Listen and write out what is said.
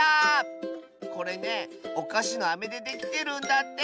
これねおかしのアメでできてるんだって！